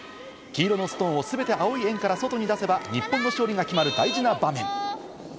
黄色のストーンをすべて青い円から外に出せば日本の勝利が決まる大事な場面。